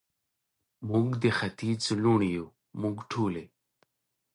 موږ د ختیځ لوڼې یو، موږ ټولې،